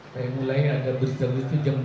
saya mulai ada berita berita jam empat